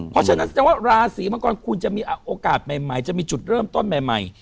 เพราะฉะนั้นแสดงว่าราศีมังกรคุณจะมีโอกาสใหม่จะมีจุดเริ่มต้นใหม่